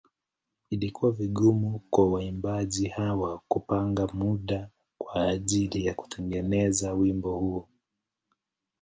Ilikuwa vigumu kwa waimbaji hawa kupanga muda kwa ajili ya kutengeneza wimbo huu.